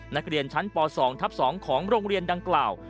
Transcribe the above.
นักเรียนชั้นป๒ทับ๒ของโรงเรียนดังกล่าว